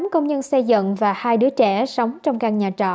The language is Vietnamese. một mươi tám công nhân xây dựng và hai đứa trẻ sống trong căn nhà trọ